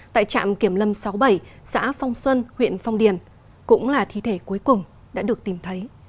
tại trạm kiểm lâm sáu mươi bảy xã phong xuân huyện phong điền cũng là thi thể cuối cùng đã được tìm thấy